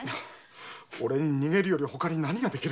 俺に逃げるよりほかに何ができる？